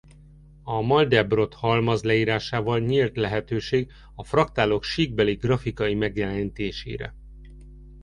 A Mandelbrot-halmaz leírásával nyílt lehetőség a fraktálok síkbeli grafikai megjelenítésére.